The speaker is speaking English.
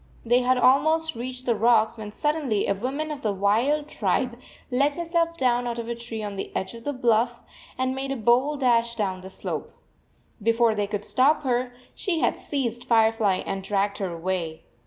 They had almost reached the rocks, when suddenly a \voman of the wild tribe let herself down out of a tree on the edge of the bluff and 9 2 made a bold dash down the slope. Before they could stop her, she had seized Fire fly and dragged her away.